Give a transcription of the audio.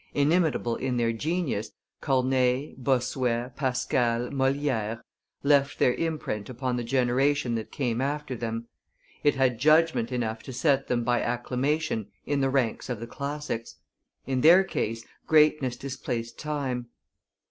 Inimitable in their genius, Corneille, Bossuet, Pascal, Moliere left their imprint upon the generation that came after them; it had judgment enough to set them by acclamation in the ranks of the classics; in their case, greatness displaced time.